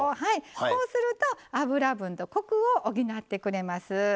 こうすると脂分とコクを補ってくれます。